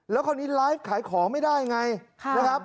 แล้วคราวนี้ไลฟ์ขายของไม่ได้ไงนะครับ